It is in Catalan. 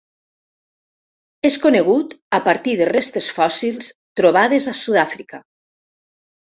És conegut a partir de restes fòssils trobades a Sud-àfrica.